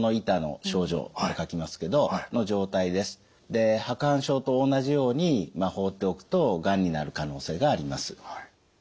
で白板症と同じように放っておくとがんになる可能性があります。